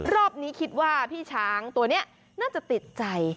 รอบนี้คิดว่าพี่ช้างตัวนี้น่าจะติดใจ